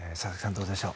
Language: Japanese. どうでしょう？